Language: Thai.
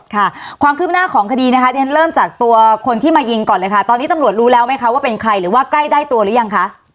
ค่ะความคืบหน้าของคดีนะคะเดี๋ยวฉันเริ่มจากตัวคนที่มายิงก่อนเลยค่ะตอนนี้ตำรวจรู้แล้วไหมคะว่าเป็นใครหรือว่าใกล้ได้ตัวหรือยังคะ